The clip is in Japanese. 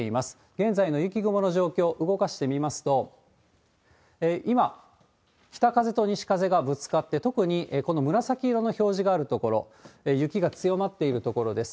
現在の雪雲の状況、動かしてみますと、今、北風と西風がぶつかって、特にこの紫色の表示がある所、雪が強まっている所です。